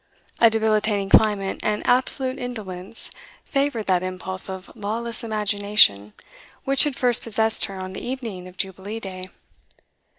A debilitating climate and absolute indolence favoured that impulse of lawless imagination which had first possessed her on the evening of Jubilee Day.